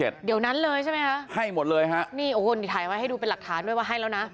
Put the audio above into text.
เดี๋ยวนั้นเลยใช่ไหมคะให้หมดเลยฮะนี่โอ้โหนี่ถ่ายไว้ให้ดูเป็นหลักฐานด้วยว่าให้แล้วนะ